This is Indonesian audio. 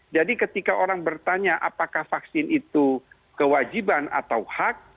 jadi ketika orang bertanya apakah vaksin itu kewajiban atau hak